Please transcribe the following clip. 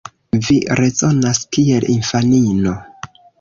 Vi rezonas kiel infanino.